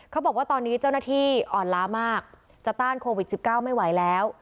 เขาบอกว่าตอนนี้เจ้าหน้าที่อ่อนล้ามากจะต้านโควิด๑๙ไม่ไหวแล้ว